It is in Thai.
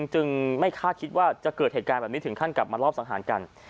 จึงไม่คาดคิดว่าจะเกิดเหตุการณ์แบบนี้ถึงขั้นกลับมารอบสังหารกัน